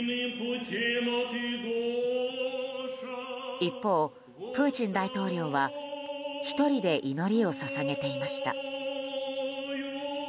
一方、プーチン大統領は１人で祈りを捧げていました。